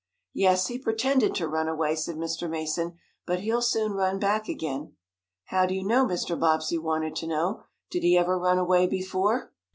"Yes, he pretended to run away," said Mr. Mason, "but he'll soon run back again." "How do you know?" Mr. Bobbsey wanted to know. "Did he ever run away before?"